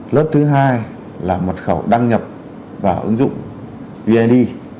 lớp thứ hai là mật khẩu đăng nhập vào ứng dụng vne